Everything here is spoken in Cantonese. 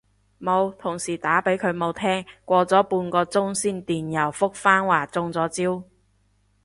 冇，同事打畀佢冇聽，過咗半個鐘先電郵覆返話中咗招